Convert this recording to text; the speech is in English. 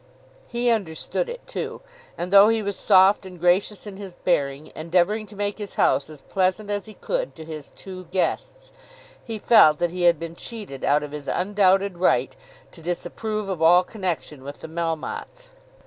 He understood it too, and though he was soft and gracious in his bearing, endeavouring to make his house as pleasant as he could to his two guests, he felt that he had been cheated out of his undoubted right to disapprove of all connection with the Melmottes.